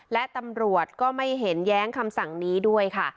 และตำรวจก็ไม่เห็นแย้งคำสั่งนี้ด้วยค่ะ